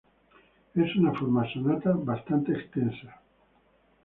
Es una forma sonata bastante extensa.